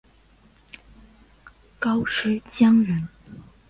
高阇羌人。